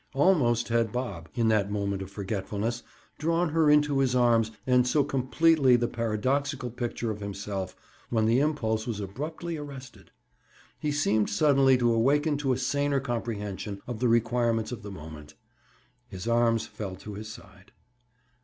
Almost had Bob, in that moment of forgetfulness, drawn her into his arms and so completed the paradoxical picture of himself, when the impulse was abruptly arrested. He seemed suddenly to awaken to a saner comprehension of the requirements of the moment. His arms fell to his side.